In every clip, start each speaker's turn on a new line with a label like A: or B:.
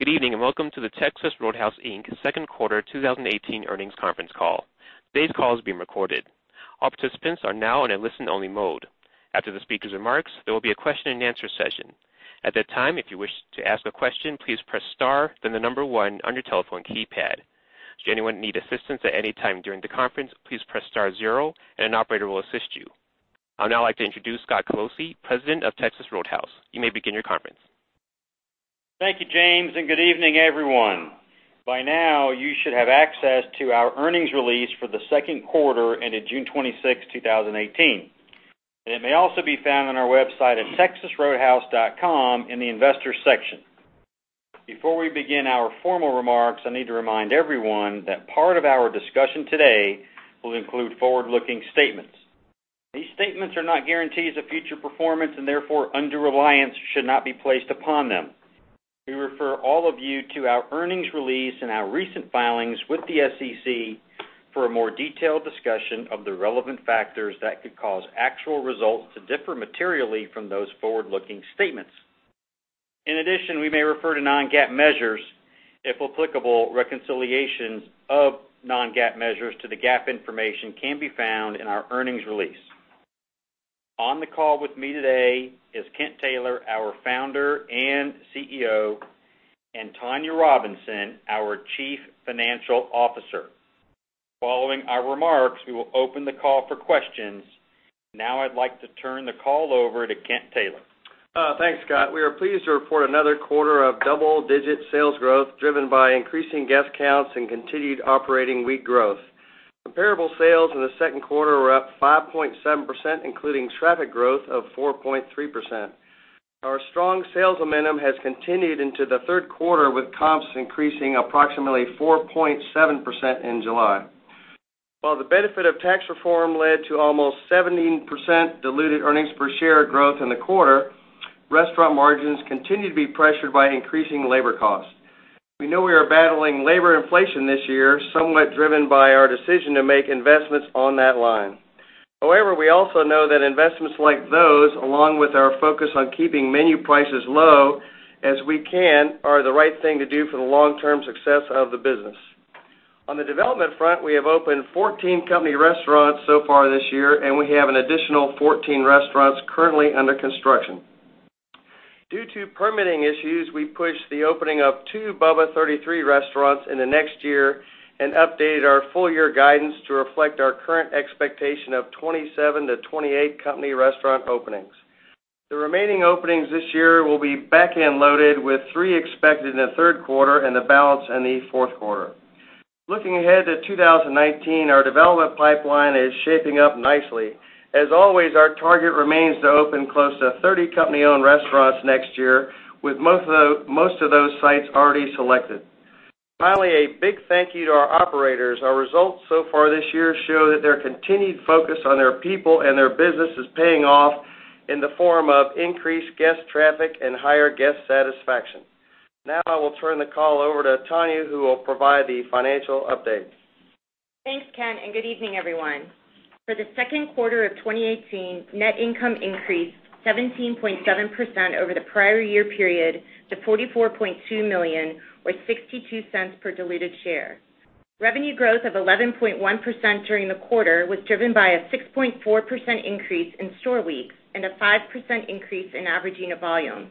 A: Good evening, welcome to the Texas Roadhouse, Inc. second quarter 2018 earnings conference call. Today's call is being recorded. All participants are now in a listen-only mode. After the speakers' remarks, there will be a question-and-answer session. At that time, if you wish to ask a question, please press star, then the number one on your telephone keypad. Should anyone need assistance at any time during the conference, please press star zero and an operator will assist you. I'd now like to introduce Scott Colosi, President of Texas Roadhouse. You may begin your conference.
B: Thank you, James, good evening, everyone. By now, you should have access to our earnings release for the second quarter ending June 26, 2018. It may also be found on our website at texasroadhouse.com in the Investors section. Before we begin our formal remarks, I need to remind everyone that part of our discussion today will include forward-looking statements. These statements are not guarantees of future performance, therefore, undue reliance should not be placed upon them. We refer all of you to our earnings release and our recent filings with the SEC for a more detailed discussion of the relevant factors that could cause actual results to differ materially from those forward-looking statements. In addition, we may refer to non-GAAP measures. If applicable, reconciliations of non-GAAP measures to the GAAP information can be found in our earnings release. On the call with me today is Kent Taylor, our Founder and CEO, Tonya Robinson, our Chief Financial Officer. Following our remarks, we will open the call for questions. I'd like to turn the call over to Kent Taylor.
C: Thanks, Scott. We are pleased to report another quarter of double-digit sales growth driven by increasing guest counts and continued operating week growth. Comparable sales in the second quarter were up 5.7%, including traffic growth of 4.3%. Our strong sales momentum has continued into the third quarter, with comps increasing approximately 4.7% in July. While the benefit of tax reform led to almost 17% diluted earnings per share growth in the quarter, restaurant margins continue to be pressured by increasing labor costs. We know we are battling labor inflation this year, somewhat driven by our decision to make investments on that line. However, we also know that investments like those, along with our focus on keeping menu prices low as we can, are the right thing to do for the long-term success of the business. On the development front, we have opened 14 company restaurants so far this year, and we have an additional 14 restaurants currently under construction. Due to permitting issues, we pushed the opening of two Bubba's 33 restaurants in the next year and updated our full-year guidance to reflect our current expectation of 27-28 company restaurant openings. The remaining openings this year will be backend loaded, with three expected in the third quarter and the balance in the fourth quarter. Looking ahead to 2019, our development pipeline is shaping up nicely. As always, our target remains to open close to 30 company-owned restaurants next year, with most of those sites already selected. Finally, a big thank you to our operators. Our results so far this year show that their continued focus on their people and their business is paying off in the form of increased guest traffic and higher guest satisfaction. Now, I will turn the call over to Tonya, who will provide the financial update.
D: Thanks, Kent, and good evening, everyone. For the second quarter of 2018, net income increased 17.7% over the prior year period to $44.2 million or $0.62 per diluted share. Revenue growth of 11.1% during the quarter was driven by a 6.4% increase in store weeks and a 5% increase in average unit volume.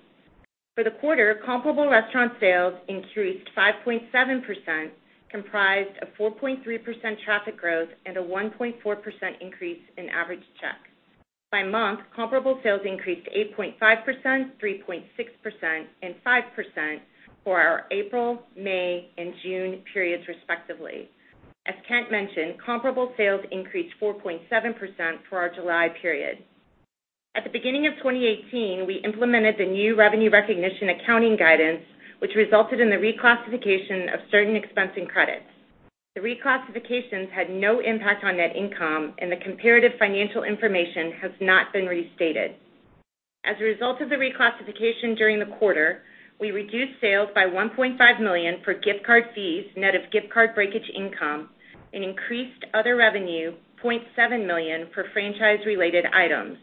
D: For the quarter, comparable restaurant sales increased 5.7%, comprised of 4.3% traffic growth and a 1.4% increase in average check. By month, comparable sales increased 8.5%, 3.6%, and 5% for our April, May, and June periods respectively. As Kent mentioned, comparable sales increased 4.7% for our July period. At the beginning of 2018, we implemented the new revenue recognition accounting guidance, which resulted in the reclassification of certain expense and credits. The reclassifications had no impact on net income. The comparative financial information has not been restated. As a result of the reclassification during the quarter, we reduced sales by $1.5 million for gift card fees, net of gift card breakage income, and increased other revenue $0.7 million for franchise-related items.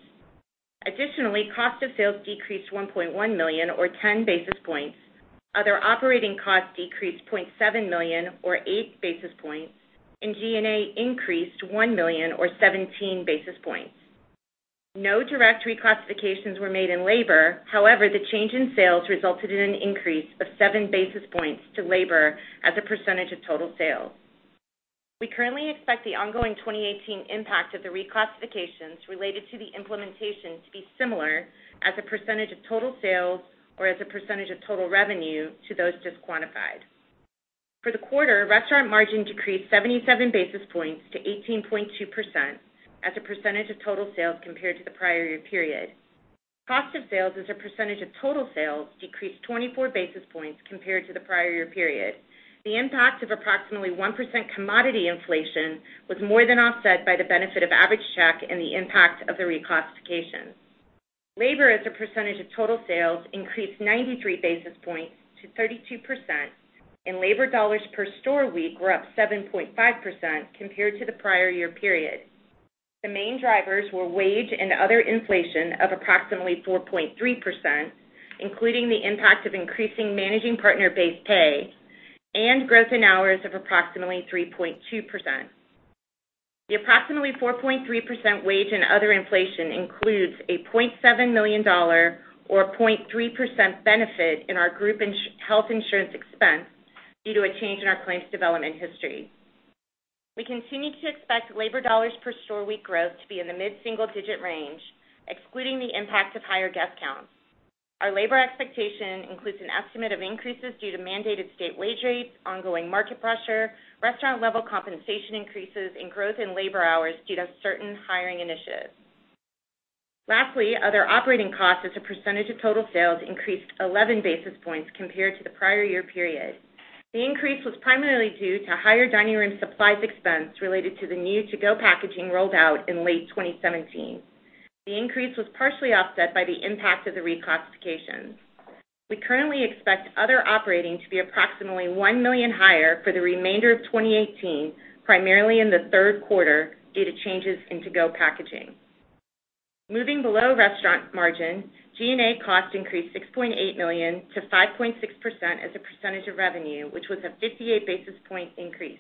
D: Additionally, cost of sales decreased $1.1 million or 10 basis points, other operating costs decreased $0.7 million or eight basis points. G&A increased $1 million or 17 basis points. No direct reclassifications were made in labor. However, the change in sales resulted in an increase of seven basis points to labor as a percentage of total sales. We currently expect the ongoing 2018 impact of the reclassifications related to the implementation to be similar as a percentage of total sales or as a percentage of total revenue to those just quantified. For the quarter, restaurant margin decreased 77 basis points to 18.2% as a percentage of total sales compared to the prior year period. Cost of sales as a percentage of total sales decreased 24 basis points compared to the prior year period. The impact of approximately 1% commodity inflation was more than offset by the benefit of average check and the impact of the reclassification. Labor as a percentage of total sales increased 93 basis points to 32%, and labor dollars per store week were up 7.5% compared to the prior year period. The main drivers were wage and other inflation of approximately 4.3%, including the impact of increasing managing partner base pay and growth in hours of approximately 3.2%. The approximately 4.3% wage and other inflation includes a $0.7 million, or 0.3% benefit in our group health insurance expense due to a change in our claims development history. We continue to expect labor dollars per store week growth to be in the mid-single digit range, excluding the impact of higher guest counts. Our labor expectation includes an estimate of increases due to mandated state wage rates, ongoing market pressure, restaurant-level compensation increases, and growth in labor hours due to certain hiring initiatives. Lastly, other operating costs as a percentage of total sales increased 11 basis points compared to the prior year period. The increase was primarily due to higher dining room supplies expense related to the new to-go packaging rolled out in late 2017. The increase was partially offset by the impact of the reclassifications. We currently expect other operating to be approximately $1 million higher for the remainder of 2018, primarily in the third quarter, due to changes in to-go packaging. Moving below restaurant margin, G&A costs increased $6.8 million to 5.6% as a percentage of revenue, which was a 58 basis point increase.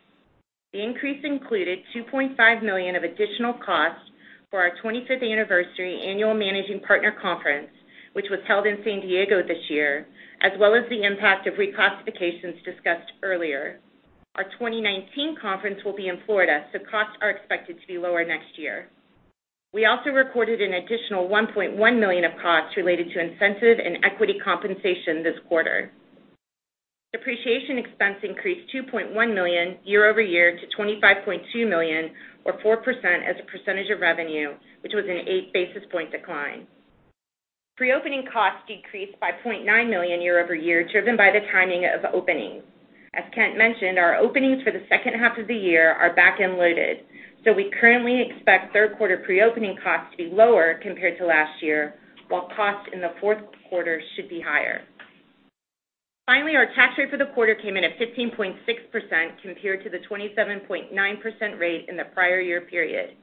D: The increase included $2.5 million of additional costs for our 25th anniversary annual managing partner conference, which was held in San Diego this year, as well as the impact of reclassifications discussed earlier. Our 2019 conference will be in Florida, costs are expected to be lower next year. We also recorded an additional $1.1 million of costs related to incentive and equity compensation this quarter. Depreciation expense increased $2.1 million year-over-year to $25.2 million, or 4% as a percentage of revenue, which was an eight basis point decline. Pre-opening costs decreased by $0.9 million year-over-year, driven by the timing of openings. As Kent mentioned, our openings for the second half of the year are back-end loaded. We currently expect third quarter pre-opening costs to be lower compared to last year, while costs in the fourth quarter should be higher. Finally, our tax rate for the quarter came in at 15.6% compared to the 27.9% rate in the prior year period.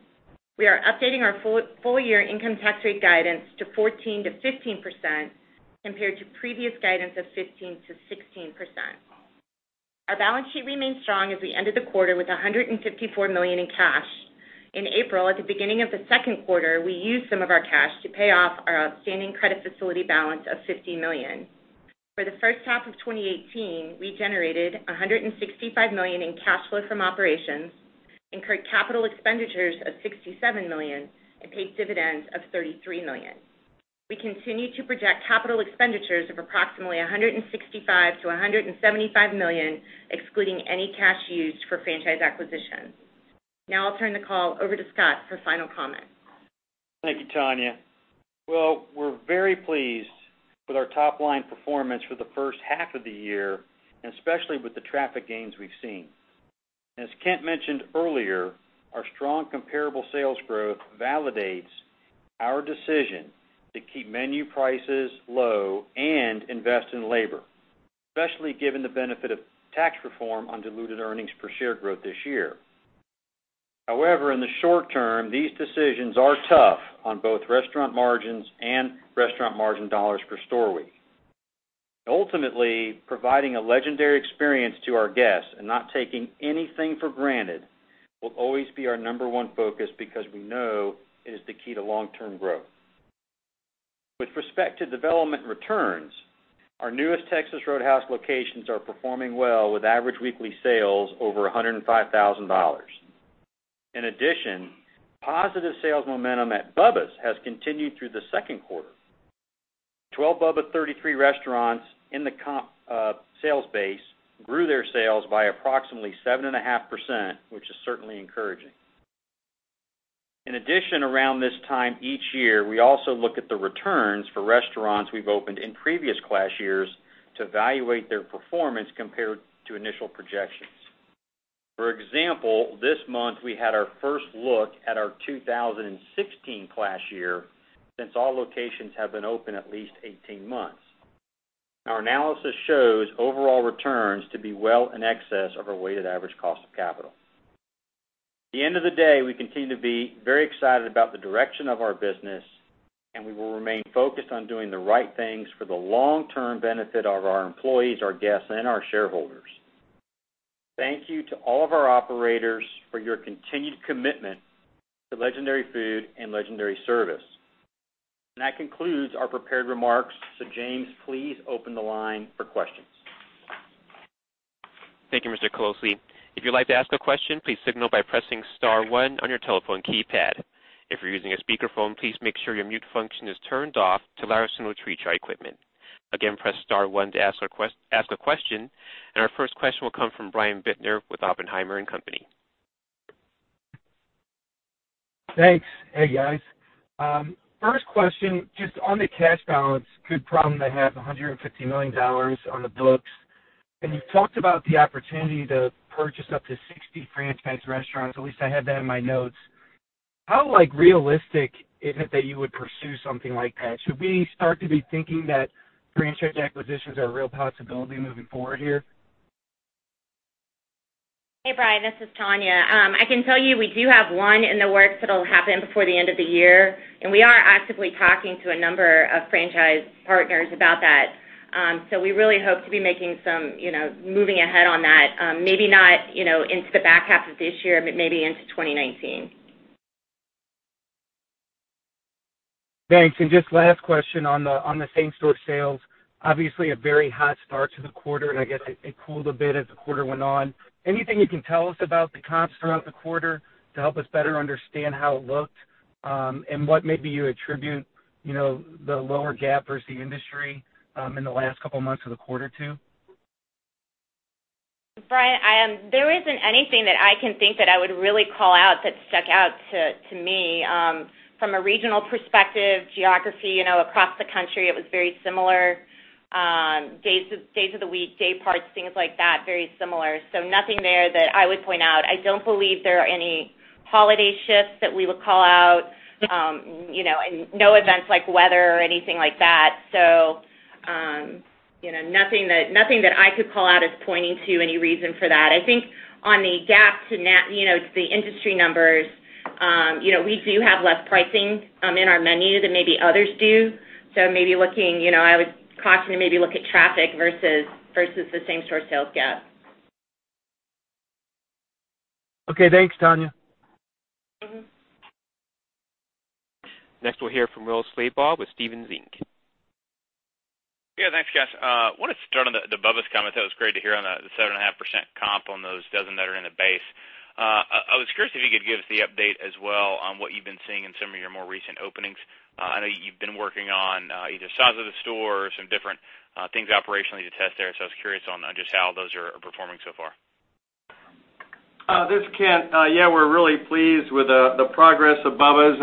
D: We are updating our full year income tax rate guidance to 14%-15%, compared to previous guidance of 15%-16%. Our balance sheet remains strong as we ended the quarter with $154 million in cash. In April, at the beginning of the second quarter, we used some of our cash to pay off our outstanding credit facility balance of $50 million. For the first half of 2018, we generated $165 million in cash flow from operations, incurred capital expenditures of $67 million, and paid dividends of $33 million. We continue to project capital expenditures of approximately $165 million-$175 million, excluding any cash used for franchise acquisitions. I'll turn the call over to Scott for final comments.
B: Thank you, Tonya. We're very pleased with our top-line performance for the first half of the year, and especially with the traffic gains we've seen. As Kent mentioned earlier, our strong comparable sales growth validates our decision to keep menu prices low and invest in labor, especially given the benefit of tax reform on diluted EPS growth this year. In the short term, these decisions are tough on both restaurant margins and restaurant margin dollars per store week. Ultimately, providing a legendary experience to our guests and not taking anything for granted will always be our number one focus because we know it is the key to long-term growth. With respect to development returns, our newest Texas Roadhouse locations are performing well with average weekly sales over $105,000. In addition, positive sales momentum at Bubba's has continued through the second quarter. 12 Bubba's 33 restaurants in the comp sales base grew their sales by approximately 7.5%, which is certainly encouraging. In addition, around this time each year, we also look at the returns for restaurants we've opened in previous class years to evaluate their performance compared to initial projections. For example, this month, we had our first look at our 2016 class year, since all locations have been open at least 18 months. Our analysis shows overall returns to be well in excess of our weighted average cost of capital. At the end of the day, we continue to be very excited about the direction of our business, and we will remain focused on doing the right things for the long-term benefit of our employees, our guests, and our shareholders. Thank you to all of our operators for your continued commitment to legendary food and legendary service. That concludes our prepared remarks. James, please open the line for questions.
A: Thank you, Scott Colosi. If you'd like to ask a question, please signal by pressing *1 on your telephone keypad. If you're using a speakerphone, please make sure your mute function is turned off to allow us to monitor each our equipment. Again, press *1 to ask a question. Our first question will come from Brian Bittner with Oppenheimer & Company.
E: Thanks. Hey, guys. First question, just on the cash balance. Good problem to have $150 million on the books. You've talked about the opportunity to purchase up to 60 franchise restaurants. At least I had that in my notes. How realistic is it that you would pursue something like that? Should we start to be thinking that franchise acquisitions are a real possibility moving forward here?
D: Hey, Brian, this is Tonya. I can tell you we do have one in the works that'll happen before the end of the year, we are actively talking to a number of franchise partners about that. We really hope to be moving ahead on that. Maybe not into the back half of this year, but maybe into 2019.
E: Thanks. Just last question on the same-store sales. Obviously, a very hot start to the quarter, I guess it cooled a bit as the quarter went on. Anything you can tell us about the comps throughout the quarter to help us better understand how it looked, what maybe you attribute the lower gap versus the industry in the last couple of months of the quarter to?
D: Brian, there isn't anything that I can think that I would really call out that stuck out to me. From a regional perspective, geography, across the country, it was very similar. Days of the week, day parts, things like that, very similar. Nothing there that I would point out. I don't believe there are any holiday shifts that we would call out. No events like weather or anything like that. Nothing that I could call out as pointing to any reason for that. I think on the gap to the industry numbers, we do have less pricing in our menu than maybe others do. I would caution to maybe look at traffic versus the same-store sales gap.
E: Okay, thanks, Tonya.
A: Next, we'll hear from Will Slabaugh with Stephens Inc.
F: Yeah, thanks, guys. I want to start on the Bubba's comment. That was great to hear on the 7.5% comp on those dozen that are in the base. I was curious if you could give us the update as well on what you've been seeing in some of your more recent openings. I know you've been working on either size of the store or some different things operationally to test there. I was curious on just how those are performing so far.
C: This is Kent. Yeah, we're really pleased with the progress of Bubba's.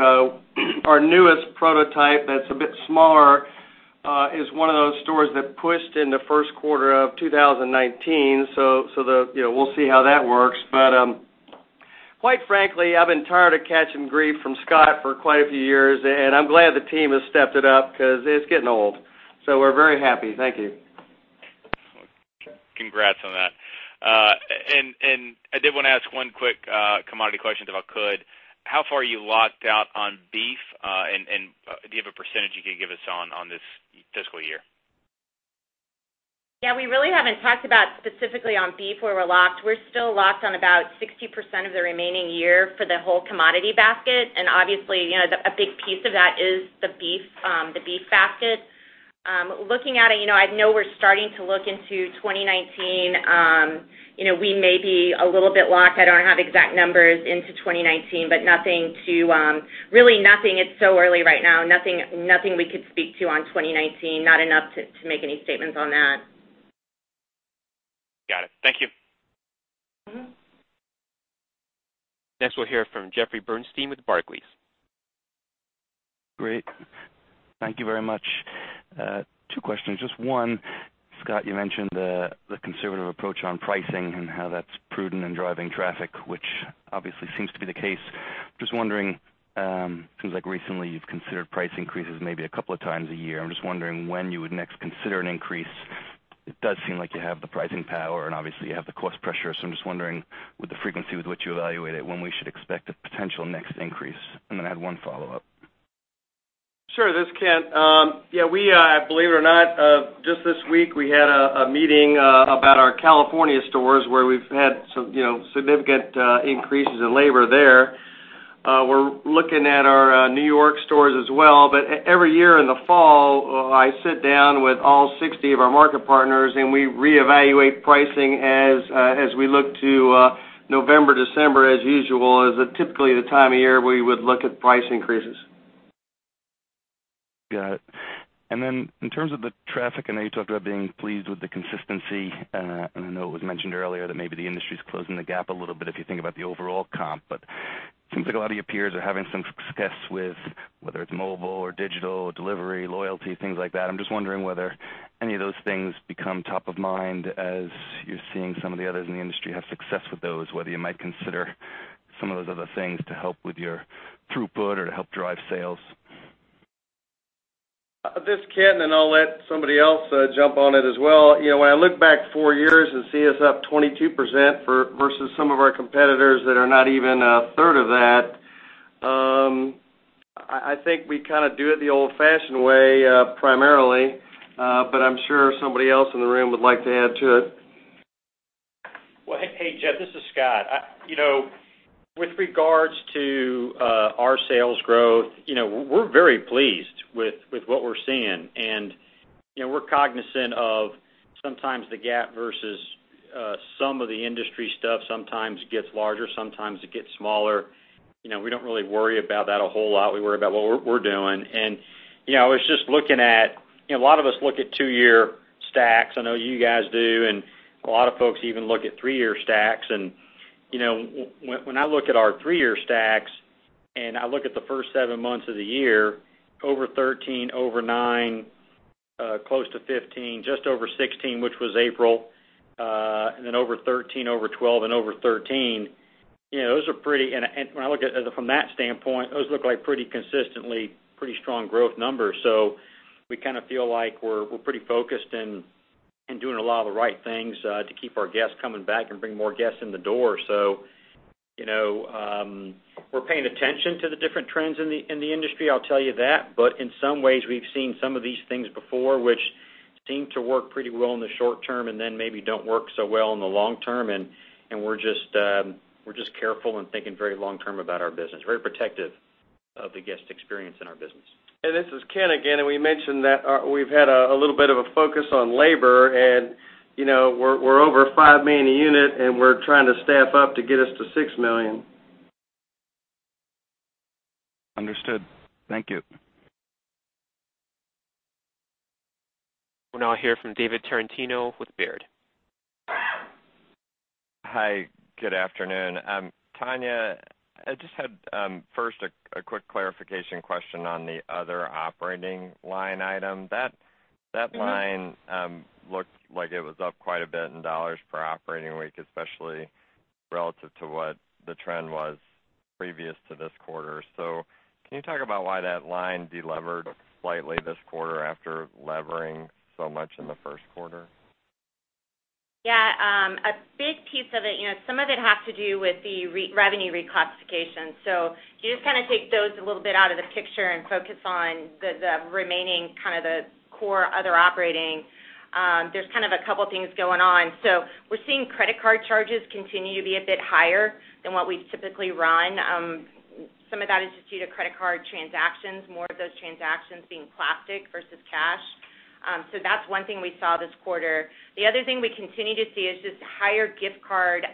C: Our newest prototype that's a bit smaller, is one of those stores that pushed in the first quarter of 2019. We'll see how that works. Quite frankly, I've been tired of catching grief from Scott for quite a few years, and I'm glad the team has stepped it up because it's getting old. We're very happy. Thank you.
F: Congrats on that. I did want to ask one quick commodity question, if I could. How far are you locked out on beef? Do you have a percentage you could give us on this fiscal year?
D: Yeah, we really haven't talked about specifically on beef where we're locked. We're still locked on about 60% of the remaining year for the whole commodity basket. Obviously, a big piece of that is the beef facet. I know we're starting to look into 2019. We may be a little bit locked, I don't have exact numbers into 2019. It's so early right now, nothing we could speak to on 2019, not enough to make any statements on that.
F: Got it. Thank you.
A: Next, we'll hear from Jeffrey Bernstein with Barclays.
G: Great. Thank you very much. Two questions. Just one, Scott, you mentioned the conservative approach on pricing and how that's prudent in driving traffic, which obviously seems to be the case. Just wondering, seems like recently you've considered price increases maybe a couple of times a year. I'm just wondering when you would next consider an increase. It does seem like you have the pricing power, and obviously you have the cost pressure. I'm just wondering with the frequency with which you evaluate it, when we should expect a potential next increase. I'm going to add one follow-up.
C: Sure. This is Kent. Believe it or not, just this week, we had a meeting about our California stores where we've had some significant increases in labor there. We're looking at our New York stores as well. Every year in the fall, I sit down with all 60 of our market partners, and we reevaluate pricing as we look to November, December as usual, as typically the time of year we would look at price increases.
G: Got it. In terms of the traffic, I know you talked about being pleased with the consistency. I know it was mentioned earlier that maybe the industry's closing the gap a little bit if you think about the overall comp. It seems like a lot of your peers are having some success with, whether it's mobile or digital or delivery, loyalty, things like that. I'm just wondering whether any of those things become top of mind as you're seeing some of the others in the industry have success with those, whether you might consider some of those other things to help with your throughput or to help drive sales.
C: This is Kent, and I'll let somebody else jump on it as well. When I look back four years and see us up 22% versus some of our competitors that are not even a third of that, I think we kind of do it the old-fashioned way, primarily. I'm sure somebody else in the room would like to add to it.
B: Well, hey, Jeff, this is Scott. With regards to our sales growth, we're very pleased with what we're seeing. We're cognizant of sometimes the gap versus some of the industry stuff sometimes gets larger, sometimes it gets smaller. We don't really worry about that a whole lot. We worry about what we're doing. I was just looking at, a lot of us look at 2-year stacks. I know you guys do, a lot of folks even look at 3-year stacks. When I look at our 3-year stacks and I look at the first 7 months of the year, over 13, over 9, close to 15, just over 16, which was April, then over 13, over 12, and over 13. Those are, when I look at it from that standpoint, those look like pretty consistently pretty strong growth numbers. We feel like we're pretty focused and doing a lot of the right things to keep our guests coming back and bring more guests in the door. We're paying attention to the different trends in the industry, I'll tell you that. In some ways, we've seen some of these things before, which seem to work pretty well in the short term then maybe don't work so well in the long term, we're just careful and thinking very long term about our business, very protective of the guest experience in our business.
C: This is Kent again, we mentioned that we've had a little bit of a focus on labor and we're over $5 million a unit, we're trying to staff up to get us to $6 million.
G: Understood. Thank you.
A: We'll now hear from David Tarantino with Baird.
H: Hi, good afternoon. Tonya, I just had first a quick clarification question on the other operating line item. That line looked like it was up quite a bit in $ per operating week, especially relative to what the trend was previous to this quarter. Can you talk about why that line de-levered slightly this quarter after levering so much in the first quarter?
D: Yeah. A big piece of it, some of it has to do with the revenue reclassification. If you just take those a little bit out of the picture and focus on the remaining core other operating, there's a couple of things going on. We're seeing credit card charges continue to be a bit higher than what we've typically run. Some of that is just due to credit card transactions, more of those transactions being plastic versus cash. That's one thing we saw this quarter. The other thing we continue to see is just higher gift card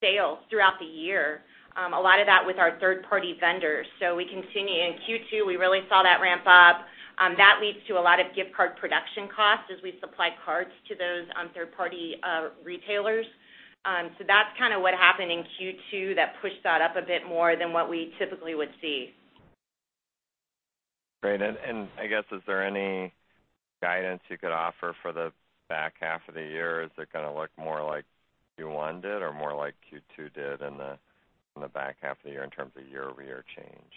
D: sales throughout the year. A lot of that with our third party vendors. We continue. In Q2, we really saw that ramp up. That leads to a lot of gift card production costs as we supply cards to those third party retailers. That's what happened in Q2 that pushed that up a bit more than what we typically would see.
H: Great. Is there any guidance you could offer for the back half of the year? Is it going to look more like Q1 did or more like Q2 did in the back half of the year in terms of year-over-year change?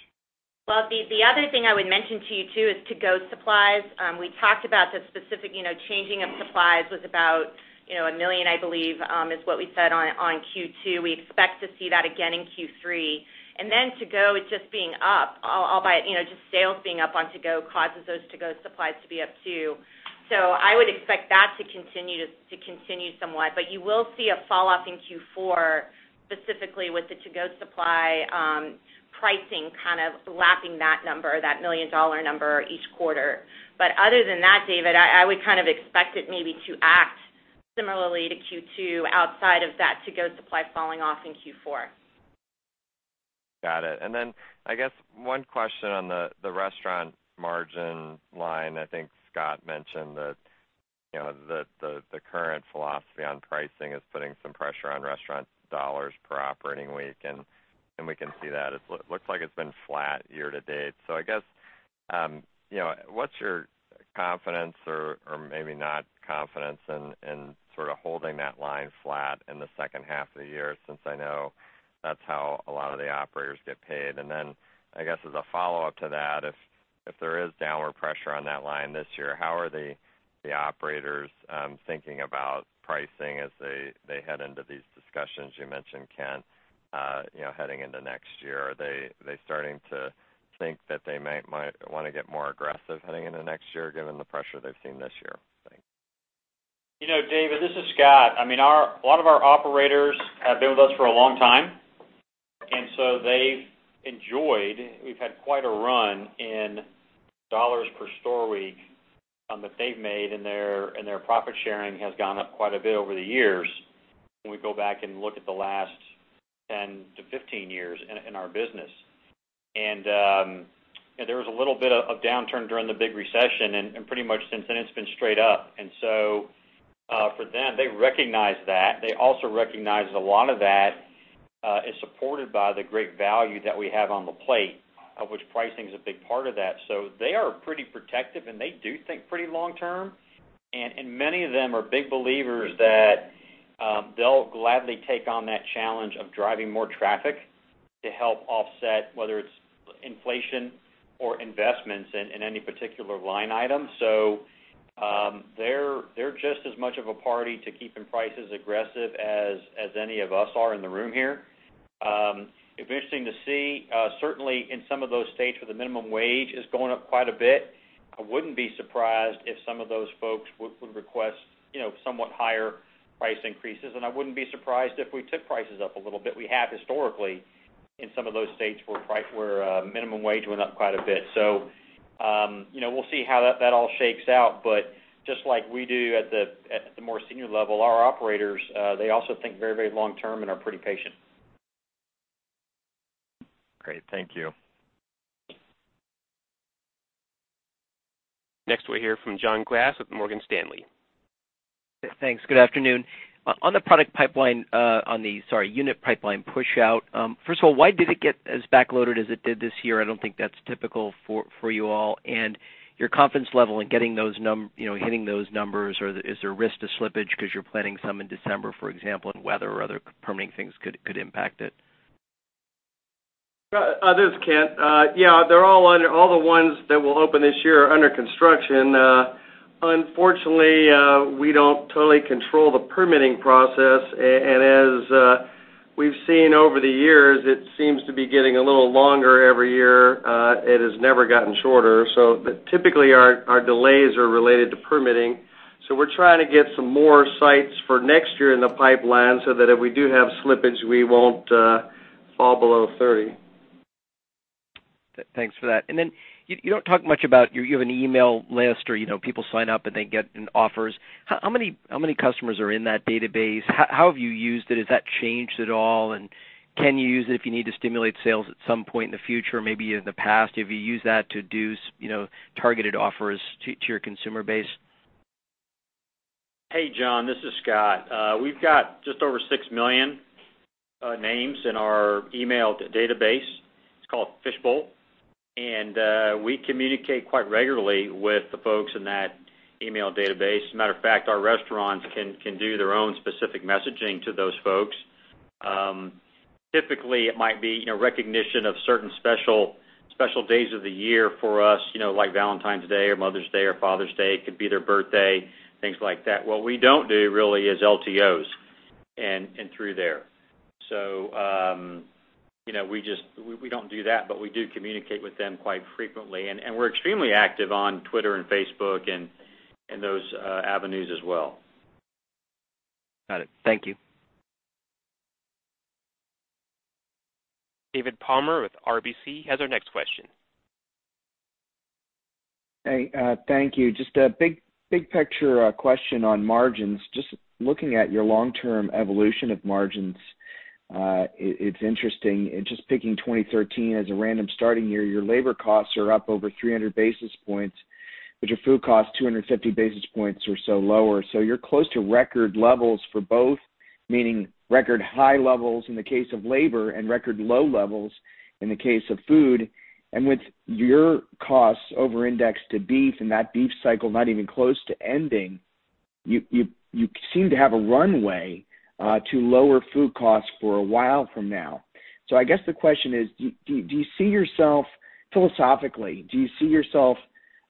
D: The other thing I would mention to you too is to-go supplies. We talked about the specific changing of supplies was about $1 million, I believe is what we said on Q2. We expect to see that again in Q3. To-go is just being up, just sales being up on to-go causes those to-go supplies to be up too. I would expect that to continue somewhat. You will see a fall off in Q4, specifically with the to-go supply pricing kind of lapping that number, that $1 million number each quarter. Other than that, David, I would expect it maybe to act similarly to Q2 outside of that to-go supply falling off in Q4.
H: Got it. I guess one question on the restaurant margin line. I think Scott mentioned that the current philosophy on pricing is putting some pressure on restaurant $ per operating week, and we can see that. It looks like it's been flat year to date. I guess, what's your confidence or maybe not confidence in sort of holding that line flat in the second half of the year, since I know that's how a lot of the operators get paid. I guess as a follow-up to that, if there is downward pressure on that line this year, how are the operators thinking about pricing as they head into these discussions? You mentioned Kent heading into next year. Are they starting to think that they might want to get more aggressive heading into next year given the pressure they've seen this year? Thanks.
B: David, this is Scott. A lot of our operators have been with us for a long time, they've enjoyed, we've had quite a run in $ per store week that they've made, their profit sharing has gone up quite a bit over the years when we go back and look at the last 10 to 15 years in our business. There was a little bit of downturn during the big recession, pretty much since then it's been straight up. For them, they recognize that. They also recognize a lot of that is supported by the great value that we have on the plate, of which pricing is a big part of that. They are pretty protective, and they do think pretty long term, and many of them are big believers that they'll gladly take on that challenge of driving more traffic to help offset, whether it's inflation or investments in any particular line item. They're just as much of a party to keeping prices aggressive as any of us are in the room here. It'd be interesting to see, certainly in some of those states where the minimum wage is going up quite a bit, I wouldn't be surprised if some of those folks would request somewhat higher price increases, and I wouldn't be surprised if we took prices up a little bit. We have historically in some of those states where minimum wage went up quite a bit. We'll see how that all shakes out, but just like we do at the more senior level, our operators, they also think very, very long term and are pretty patient.
H: Great. Thank you.
A: Next, we'll hear from John Glass with Morgan Stanley.
I: Thanks. Good afternoon. On the product pipeline, unit pipeline push out, first of all, why did it get as back loaded as it did this year? I don't think that's typical for you all. Your confidence level in hitting those numbers, or is there a risk to slippage because you're planning some in December, for example, and weather or other permitting things could impact it?
C: This is Kent. All the ones that will open this year are under construction. Unfortunately, we don't totally control the permitting process, as we've seen over the years, it seems to be getting a little longer every year. It has never gotten shorter. Typically, our delays are related to permitting. We're trying to get some more sites for next year in the pipeline so that if we do have slippage, we won't fall below 30.
I: Thanks for that. You don't talk much about, you have an email list or people sign up, and they get offers. How many customers are in that database? How have you used it? Has that changed at all? Can you use it if you need to stimulate sales at some point in the future, maybe in the past? Have you used that to do targeted offers to your consumer base?
B: Hey, John, this is Scott. We've got just over 6 million names in our email database. It's called Fishbowl. We communicate quite regularly with the folks in that email database. As a matter of fact, our restaurants can do their own specific messaging to those folks. Typically, it might be recognition of certain special days of the year for us, like Valentine's Day or Mother's Day or Father's Day. It could be their birthday, things like that. What we don't do really is LTOs and through there. We don't do that, but we do communicate with them quite frequently, and we're extremely active on Twitter and Facebook and those avenues as well.
I: Got it. Thank you.
A: David Palmer with RBC has our next question.
J: Hey, thank you. Just a big picture question on margins. Just looking at your long-term evolution of margins, it's interesting. Just picking 2013 as a random starting year, your labor costs are up over 300 basis points, but your food costs 250 basis points or so lower. You're close to record levels for both, meaning record high levels in the case of labor, and record low levels in the case of food. With your costs over-indexed to beef and that beef cycle not even close to ending, you seem to have a runway to lower food costs for a while from now. I guess the question is, do you see yourself, philosophically, do you see yourself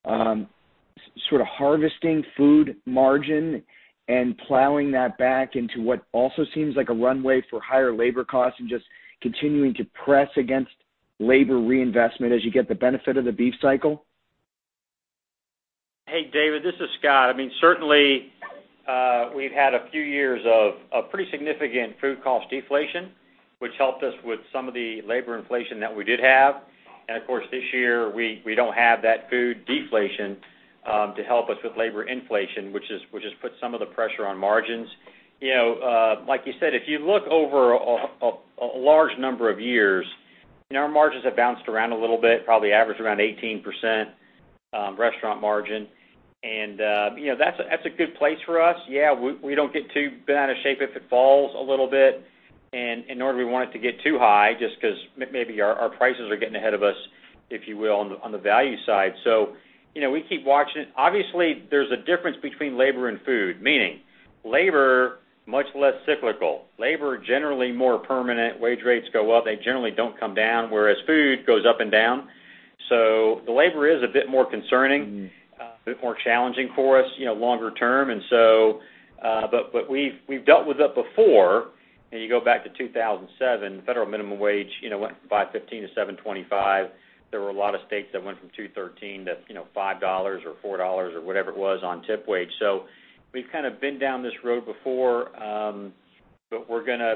J: sort of harvesting food margin and plowing that back into what also seems like a runway for higher labor costs and just continuing to press against labor reinvestment as you get the benefit of the beef cycle?
B: Hey, David, this is Scott. I mean, certainly, we've had a few years of pretty significant food cost deflation, which helped us with some of the labor inflation that we did have. Of course, this year, we don't have that food deflation to help us with labor inflation, which has put some of the pressure on margins. Like you said, if you look over a large number of years, our margins have bounced around a little bit, probably average around 18% restaurant margin. That's a good place for us. Yeah, we don't get too bent out of shape if it falls a little bit. Nor do we want it to get too high just because maybe our prices are getting ahead of us, if you will, on the value side. We keep watching it. Obviously, there's a difference between labor and food, meaning labor, much less cyclical. Labor, generally more permanent. Wage rates go up, they generally don't come down, whereas food goes up and down. The labor is a bit more concerning, a bit more challenging for us longer term. We've dealt with it before. You go back to 2007, federal minimum wage went from $5.15 to $7.25. There were a lot of states that went from $2.13 to $5 or $4 or whatever it was on tip wage. We've kind of been down this road before, but we're going to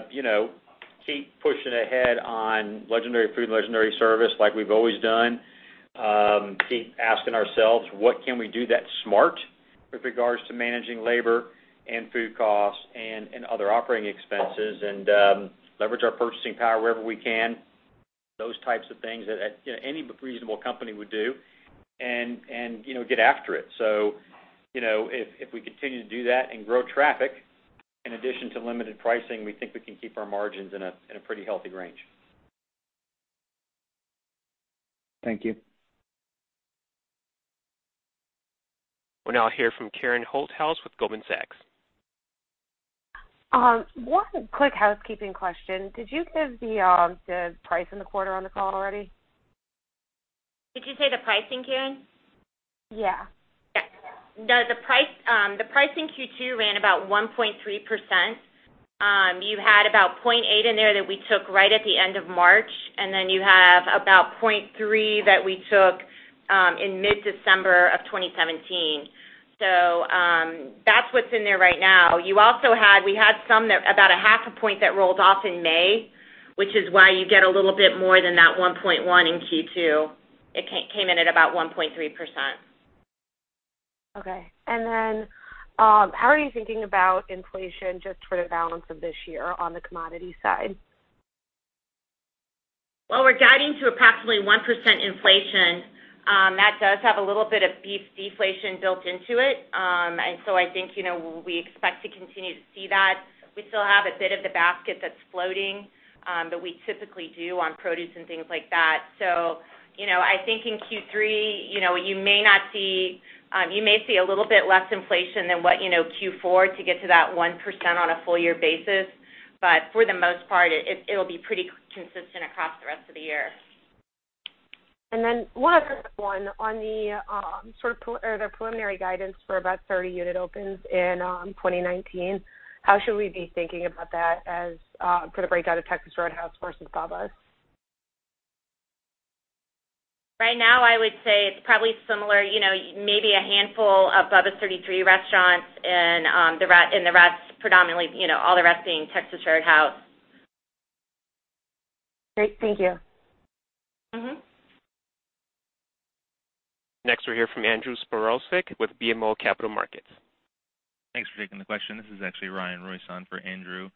B: keep pushing ahead on legendary food and legendary service like we've always done. Keep asking ourselves, what can we do that's smart with regards to managing labor and food costs and other operating expenses, and leverage our purchasing power wherever we can. Those types of things that any reasonable company would do, and get after it. If we continue to do that and grow traffic in addition to limited pricing, we think we can keep our margins in a pretty healthy range.
J: Thank you.
A: We'll now hear from Karen Holthouse with Goldman Sachs.
K: One quick housekeeping question. Did you give the price in the quarter on the call already?
D: Did you say the pricing, Karen?
K: Yeah.
D: Yeah. No, the pricing Q2 ran about 1.3%. You had about 0.8 in there that we took right at the end of March, and then you have about 0.3 that we took in mid-December of 2017. That's what's in there right now. We had some, about a half a point that rolled off in May, which is why you get a little bit more than that 1.1 in Q2. It came in at about 1.3%.
K: Okay. How are you thinking about inflation just for the balance of this year on the commodity side?
D: Well, we're guiding to approximately 1% inflation. That does have a little bit of beef deflation built into it. I think we expect to continue to see that. We still have a bit of the basket that's floating, but we typically do on produce. I think in Q3, you may see a little bit less inflation than what Q4 to get to that 1% on a full year basis. For the most part, it'll be pretty consistent across the rest of the year.
K: One other one, on the preliminary guidance for about 30 unit opens in 2019, how should we be thinking about that as for the breakout of Texas Roadhouse versus Bubba's?
D: Right now, I would say it's probably similar, maybe a handful of Bubba's 33 restaurants and the rest predominantly, all the rest being Texas Roadhouse.
K: Great. Thank you.
A: We'll hear from Andrew Strelzik with BMO Capital Markets.
L: Thanks for taking the question. This is actually Ryan Royson for Andrew.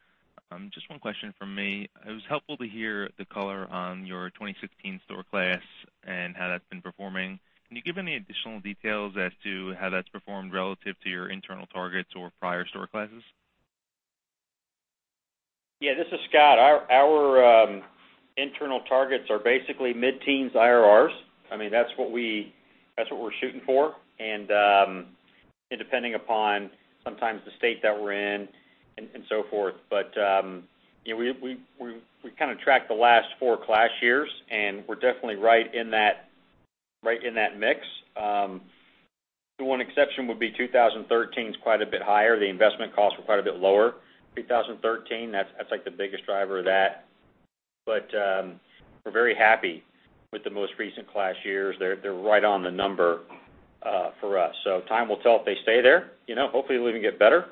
L: Just one question from me. It was helpful to hear the color on your 2016 store class and how that's been performing. Can you give any additional details as to how that's performed relative to your internal targets or prior store classes?
B: Yeah, this is Scott. Our internal targets are basically mid-teens IRR. That's what we're shooting for, depending upon sometimes the state that we're in, and so forth. We track the last four class years, and we're definitely right in that mix. The one exception would be 2013's quite a bit higher. The investment costs were quite a bit lower, 2013. That's the biggest driver of that. We're very happy with the most recent class years. They're right on the number for us. Time will tell if they stay there. Hopefully, we'll even get better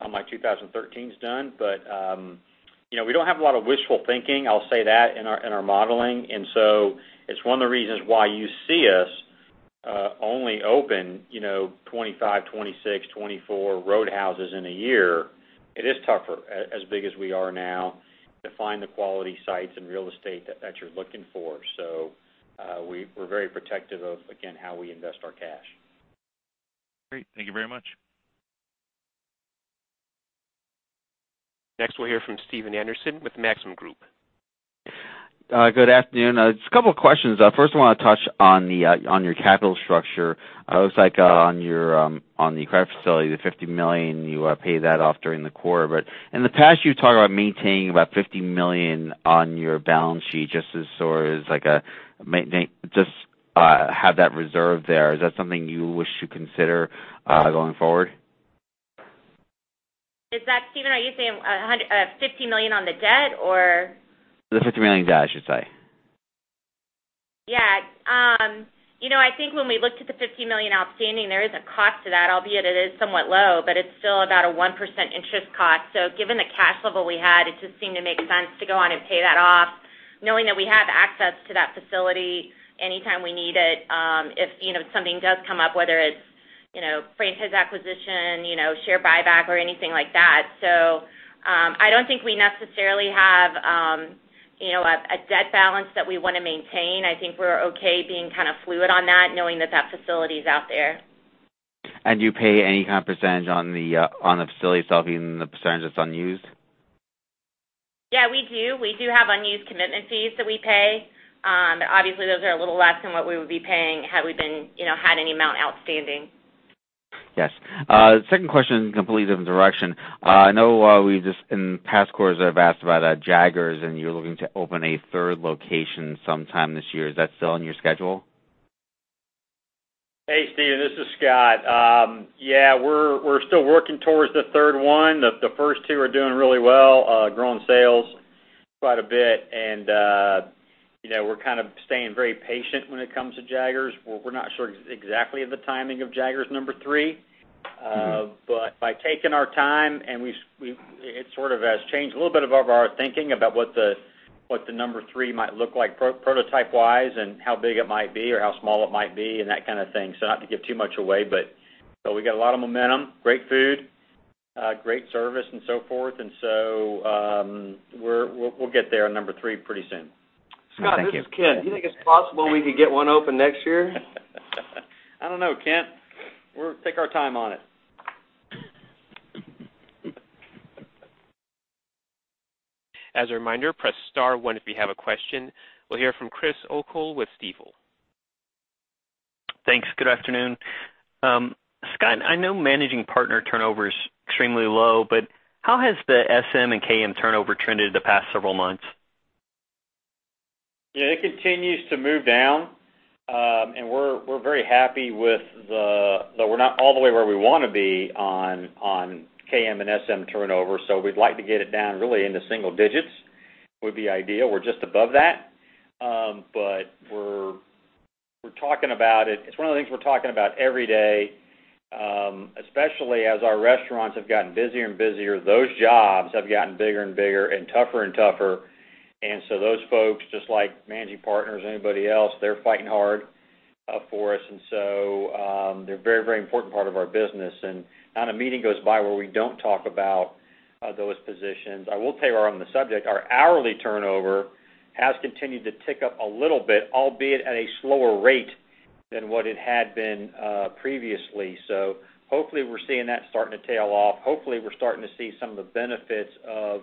B: by 2013's done. We don't have a lot of wishful thinking, I'll say that, in our modeling. It's one of the reasons why you see us only open 25, 26, 24 Roadhouses in a year. It is tougher, as big as we are now, to find the quality sites and real estate that you're looking for. We're very protective of, again, how we invest our cash.
L: Great. Thank you very much.
A: Next, we'll hear from Stephen Anderson with Maxim Group.
M: Good afternoon. Just a couple of questions. First, I want to touch on your capital structure. It looks like on the credit facility, the $50 million, you paid that off during the quarter. In the past, you talked about maintaining about $50 million on your balance sheet just have that reserve there. Is that something you wish to consider going forward?
D: Steven, are you saying $150 million on the debt or?
M: The $50 million debt, I should say.
D: Yeah. I think when we looked at the $50 million outstanding, there is a cost to that, albeit it is somewhat low, but it's still about a 1% interest cost. Given the cash level we had, it just seemed to make sense to go on and pay that off, knowing that we have access to that facility anytime we need it, if something does come up, whether it's franchise acquisition, share buyback, or anything like that. I don't think we necessarily have a debt balance that we want to maintain. I think we're okay being kind of fluid on that, knowing that facility's out there.
M: Do you pay any kind of percentage on the facility itself, even the percentage that's unused?
D: Yeah, we do. We do have unused commitment fees that we pay. Obviously, those are a little less than what we would be paying had we had any amount outstanding.
M: Yes. Second question is a completely different direction. I know in past quarters I've asked about Jaggers, and you're looking to open a third location sometime this year. Is that still on your schedule?
B: Hey, Stephen, this is Scott. Yeah, we're still working towards the third one. The first two are doing really well, growing sales quite a bit. We're kind of staying very patient when it comes to Jaggers. We're not sure exactly of the timing of Jaggers number three. By taking our time, and it sort of has changed a little bit of our thinking about what the number three might look like prototype-wise, and how big it might be or how small it might be and that kind of thing. Not to give too much away, but we got a lot of momentum, great food, great service, and so forth. We'll get there on number three pretty soon.
C: Scott, this is Kent. Do you think it's possible we could get one open next year?
B: I don't know, Kent. We'll take our time on it.
A: As a reminder, press star one if you have a question. We'll hear from Chris O'Cull with Stifel.
N: Thanks. Good afternoon. Scott, I know managing partner turnover is extremely low, how has the SM and KM turnover trended the past several months?
B: Yeah, it continues to move down. We're very happy. Though we're not all the way where we want to be on KM and SM turnover, we'd like to get it down really into single digits, would be ideal. We're just above that. We're talking about it. It's one of the things we're talking about every day, especially as our restaurants have gotten busier and busier. Those jobs have gotten bigger and bigger and tougher and tougher. Those folks, just like managing partners or anybody else, they're fighting hard for us. They're a very, very important part of our business. Not a meeting goes by where we don't talk about those positions. I will tell you, while we're on the subject, our hourly turnover has continued to tick up a little bit, albeit at a slower rate than what it had been previously. Hopefully, we're seeing that starting to tail off. Hopefully, we're starting to see some of the benefits of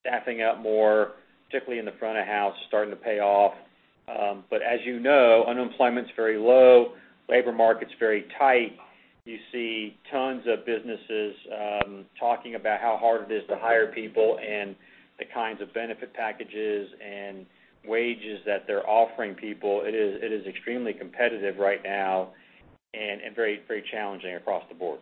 B: staffing up more, particularly in the front of house, starting to pay off. As you know, unemployment's very low, labor market's very tight. You see tons of businesses talking about how hard it is to hire people and the kinds of benefit packages and wages that they're offering people. It is extremely competitive right now and very challenging across the board.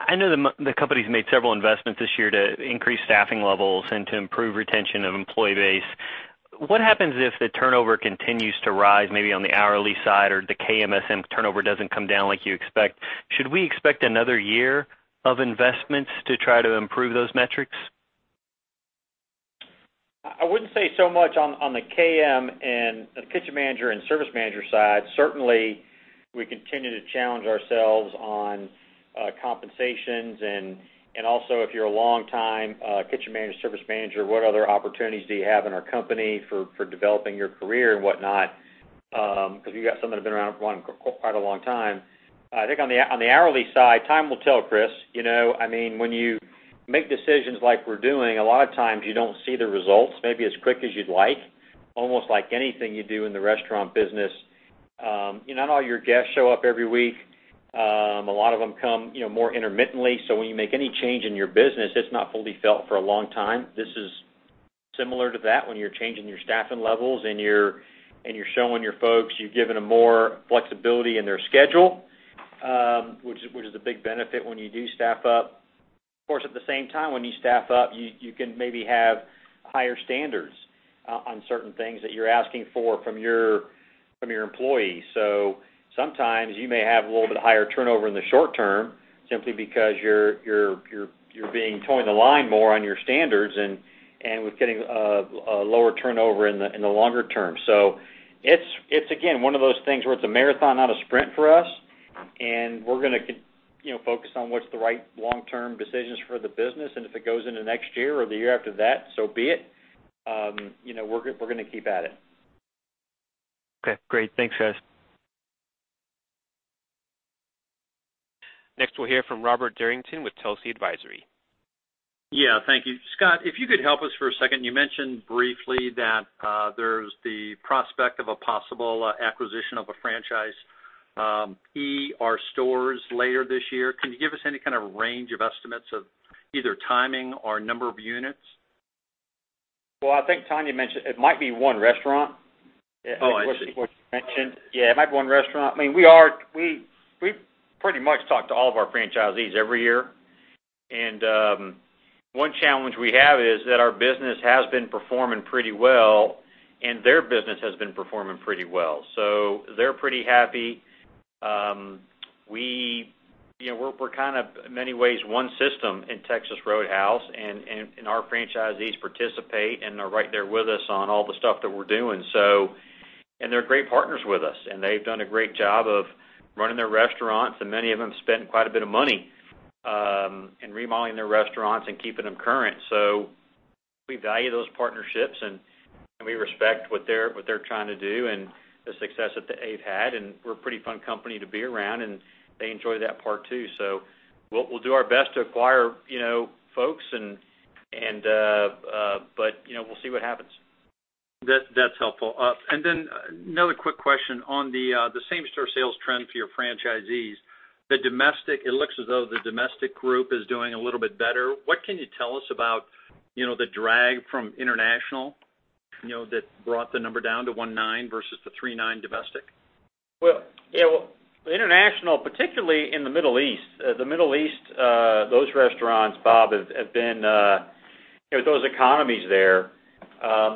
N: I know the company's made several investments this year to increase staffing levels and to improve retention of employee base. What happens if the turnover continues to rise, maybe on the hourly side or the KMSM turnover doesn't come down like you expect? Should we expect another year of investments to try to improve those metrics?
B: I wouldn't say so much on the KM and the kitchen manager and service manager side. Certainly, we continue to challenge ourselves on compensations and also if you're a long-time kitchen manager, service manager, what other opportunities do you have in our company for developing your career and whatnot, because you've got some that have been around for quite a long time. I think on the hourly side, time will tell, Chris. When you make decisions like we're doing, a lot of times you don't see the results maybe as quick as you'd like, almost like anything you do in the restaurant business. Not all your guests show up every week. A lot of them come more intermittently, when you make any change in your business, it's not fully felt for a long time. This is similar to that when you're changing your staffing levels and you're showing your folks, you're giving them more flexibility in their schedule, which is a big benefit when you do staff up. Of course, at the same time, when you staff up, you can maybe have higher standards on certain things that you're asking for from your employees. Sometimes you may have a little bit higher turnover in the short term, simply because you're towing the line more on your standards and with getting a lower turnover in the longer term. It's, again, one of those things where it's a marathon, not a sprint for us, and we're going to focus on what's the right long-term decisions for the business. If it goes into next year or the year after that, so be it. We're going to keep at it.
N: Okay, great. Thanks, guys.
A: Next, we'll hear from Robert Derrington with Telsey Advisory.
O: Yeah. Thank you. Scott, if you could help us for a second. You mentioned briefly that there's the prospect of a possible acquisition of a franchisee's, ER stores later this year. Can you give us any kind of range of estimates of either timing or number of units?
B: I think Tonya mentioned it might be one restaurant.
O: I see.
B: It might be one restaurant. We pretty much talk to all of our franchisees every year, and one challenge we have is that our business has been performing pretty well, and their business has been performing pretty well. They're pretty happy. We're kind of, in many ways, one system in Texas Roadhouse, and our franchisees participate and are right there with us on all the stuff that we're doing. They're great partners with us, and they've done a great job of running their restaurants, and many of them spent quite a bit of money in remodeling their restaurants and keeping them current. We value those partnerships, and we respect what they're trying to do and the success that they've had, and we're a pretty fun company to be around, and they enjoy that part, too. We'll do our best to acquire folks, but we'll see what happens.
O: That's helpful. One last question on the same-store sales trend for your franchisees. It looks as though the domestic group is doing a little bit better. What can you tell us about the drag from international that brought the number down to 1.9 versus the 3.9 domestic?
B: Well, international, particularly in the Middle East. The Middle East, those restaurants, Bob, those economies there,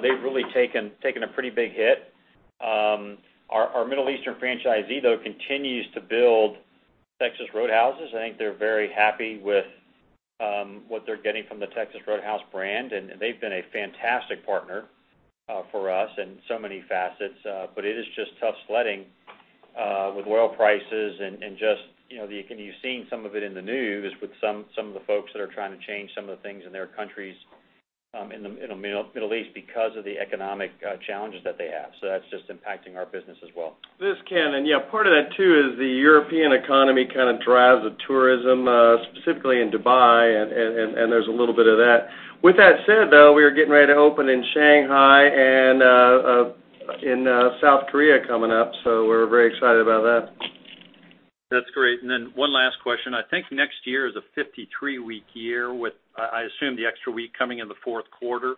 B: they've really taken a pretty big hit. Our Middle Eastern franchisee, though, continues to build Texas Roadhouses. I think they're very happy with what they're getting from the Texas Roadhouse brand, and they've been a fantastic partner for us in so many facets. It is just tough sledding with oil prices and just, you've seen some of it in the news with some of the folks that are trying to change some of the things in their countries in the Middle East because of the economic challenges that they have. That's just impacting our business as well.
C: This is Kent. Yeah, part of that too is the European economy kind of drives the tourism, specifically in Dubai, and there's a little bit of that. With that said, though, we are getting ready to open in Shanghai and in South Korea coming up, we're very excited about that.
O: That's great. One last question. I think next year is a 53-week year with, I assume, the extra week coming in the fourth quarter.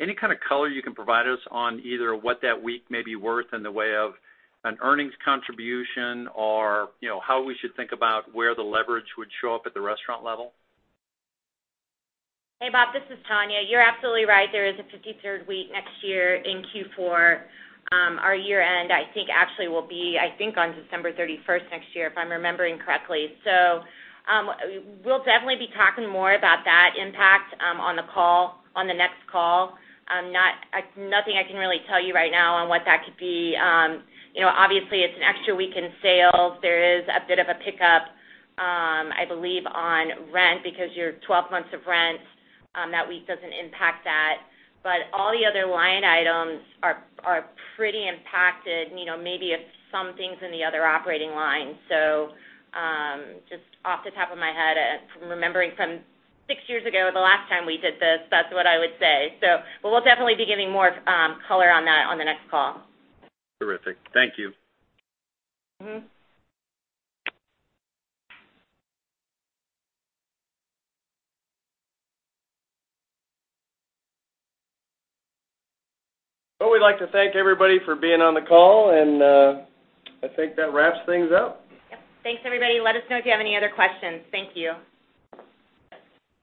O: Any kind of color you can provide us on either what that week may be worth in the way of an earnings contribution or how we should think about where the leverage would show up at the restaurant level?
D: Hey, Bob, this is Tonya. You're absolutely right. There is a 53rd week next year in Q4. Our year-end, actually will be, I think, on December 31st next year, if I'm remembering correctly. We'll definitely be talking more about that impact on the next call. Nothing I can really tell you right now on what that could be. Obviously, it's an extra week in sales. There is a bit of a pickup, I believe, on rent because your 12 months of rent, that week doesn't impact that. All the other line items are pretty impacted, maybe if something's in the other operating line. Just off the top of my head, from remembering from six years ago, the last time we did this, that's what I would say. We'll definitely be giving more color on that on the next call.
O: Terrific. Thank you.
C: We'd like to thank everybody for being on the call, and I think that wraps things up.
D: Yep. Thanks, everybody. Let us know if you have any other questions. Thank you.